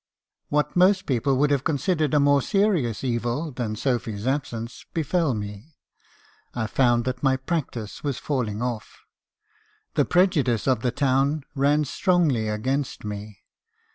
"What most people would have considered a more serious evil than Sophy's absence , befell me. I found that my practice was falling off. The prejudice of the town ran strongly against me.